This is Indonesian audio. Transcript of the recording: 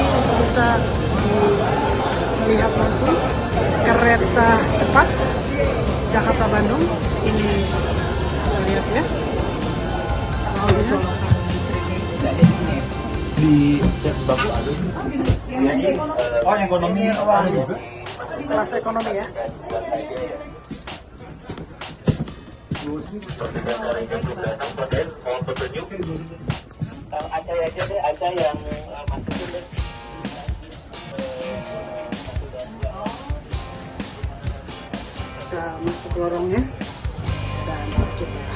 hai kita lihat langsung kereta cepat jakarta bandung ini lihat ya